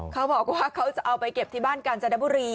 เขาบอกว่าเขาจะเอาไปเก็บที่บ้านกาญจนบุรี